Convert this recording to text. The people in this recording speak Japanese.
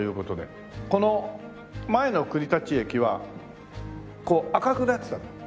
この前の国立駅はこう赤くなってたのよ。